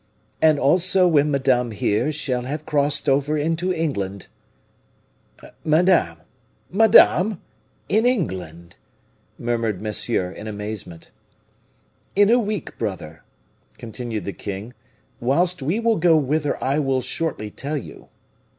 "And also when Madame, here, shall have crossed over into England." "Madame! in England!" murmured Monsieur, in amazement. "In a week, brother," continued the king, "whilst we will go whither I will shortly tell you."